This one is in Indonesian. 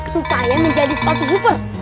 supaya menjadi sepatu super